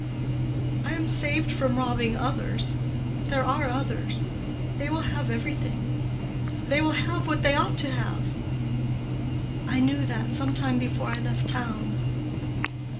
"I am saved from robbing others—there are others—they will have everything—they will have what they ought to have. I knew that some time before I left town.